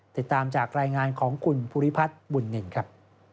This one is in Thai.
ติดตามจากรายงานของคุณภูริพัฒน์บุญนินครับ